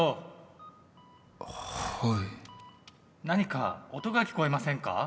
何か音が聞こえませんか？